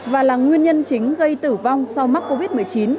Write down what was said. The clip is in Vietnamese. và là nguyên nhân chính gây tử vong sau mắc covid một mươi chín